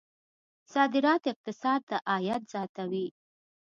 صادرات اقتصاد ته عاید زیاتوي.